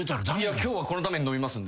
今日はこのために飲みますんで。